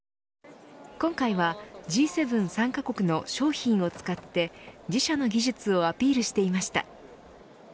今回はＧ７参加国の商品を使って自社の技術をアピールしていました。